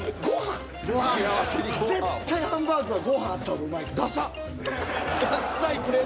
絶対ハンバーグはご飯あった方がうまいから。